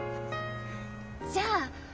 じゃあ？